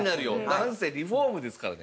なんせリフォームですからね。